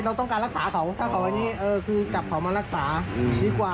ผมก็ไม่รู้ถ้าเป็นปืนมาผมไม่ตายหรอ